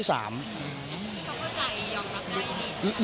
ที่เขาเข้าใจยอมรับนายดี